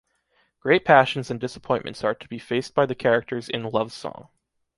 Great passions and disappointments are to be faced by the characters in Love Song.